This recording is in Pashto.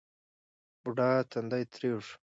بوډا تندی ترېو شو.